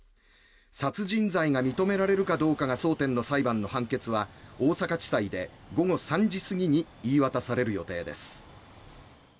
殺人罪が認められるかどうかが争点の裁判の判決は大阪地裁で午後３時過ぎに言い渡される予定です。